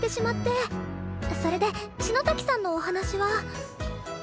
それで篠崎さんのお話は？